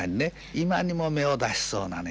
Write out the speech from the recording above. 今にも芽を出しそうなね